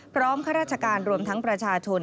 ข้าราชการรวมทั้งประชาชน